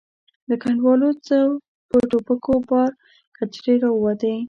له کنډوالو څو په ټوپکو بار کچرې را ووتې.